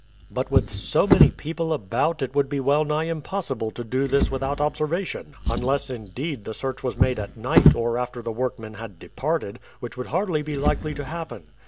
"But with so many people about it would be well nigh impossible to do this without observation unless, indeed, the search was made at night or after the workmen had departed, which would hardly be likely to happen.